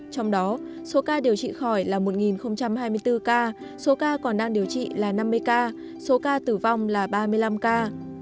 trong đó số ca điều trị khỏi là một hai mươi bốn ca số ca còn đang điều trị là năm mươi ca số ca tử vong là ba mươi năm ca